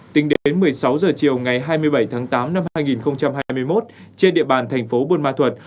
tính đến một mươi sáu h chiều ngày hai mươi bảy tháng tám năm hai nghìn hai mươi một trên địa bàn thành phố buôn ma thuật